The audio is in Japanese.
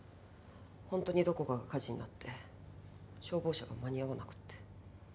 ホントにどこかが火事になって消防車が間に合わなくて。